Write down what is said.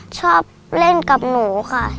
ชอบเล่นกับหนูค่ะ